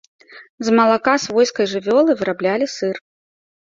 З малака свойскай жывёлы выраблялі сыр.